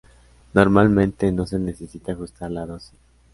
Normalmente, no se necesita ajustar la dosis.